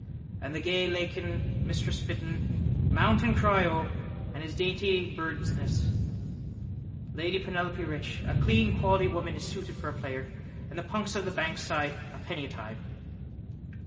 And the gay lakin, mistress Fitton, mount and cry O, and his dainty birdsnies, lady Penelope Rich, a clean quality woman is suited for a player, and the punks of the bankside, a penny a time.